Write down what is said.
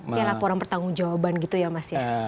ya laporan pertanggung jawaban gitu ya mas ya